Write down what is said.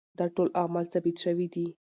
دا ټول اعمال ثابت شوي دي.